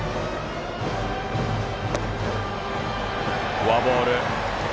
フォアボール。